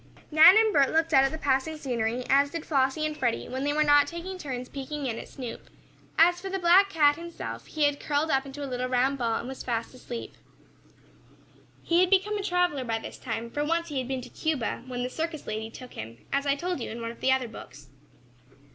Nan and Bert looked out at the passing scenery, as did Flossie and Freddie, when they were not taking turns peeking in at Snoop. As for the black cat himself, he had curled up into a little round ball, and was fast asleep. He had become a traveler by this time, for once he had been to Cuba, when the circus lady took him, as I told you in one of the other books.